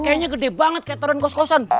kayaknya gede banget kayak teren kos kosen